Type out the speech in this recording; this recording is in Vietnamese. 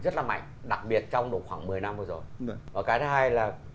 thì tụi nó ngồi